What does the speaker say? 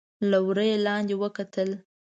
له وره يې لاندې وکتل.